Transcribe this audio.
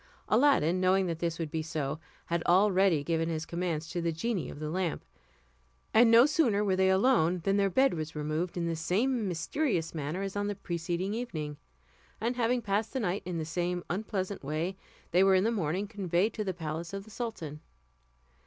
Aladdin, knowing that this would be so, had already given his commands to the genie of the lamp; and no sooner were they alone than their bed was removed in the same mysterious manner as on the preceding evening; and having passed the night in the same unpleasant way, they were in the morning conveyed to the palace of the sultan.